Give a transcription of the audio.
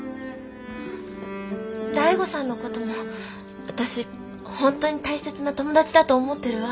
醍醐さんの事も私本当に大切な友達だと思ってるわ。